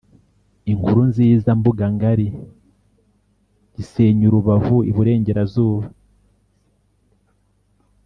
Inkurunziza Mbugangari Gisenyirubavu Iburengerazuba